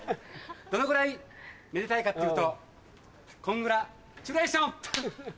どのぐらいめでたいかっていうとコングラチュレーション！